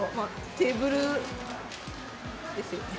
テーブルですよね？